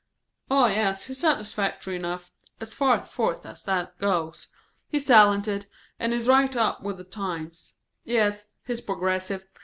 "Oh yes, he's satisfactory enough, as far forth as that goes. He's talented, and he's right up with the times. Yes, he's progressive.